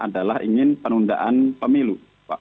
adalah ingin penundaan pemilu